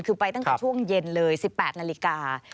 คือไปตั้งแต่ช่วงเย็นเลย๑๘นาฬิกา